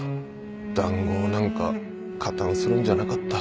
談合なんか加担するんじゃなかった